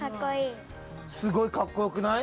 すごいかっこよくない？